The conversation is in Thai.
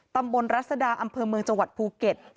รัศดาอำเภอเมืองจังหวัดภูเก็ต